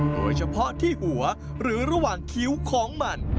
โดยเฉพาะที่หัวหรือระหว่างคิ้วของมัน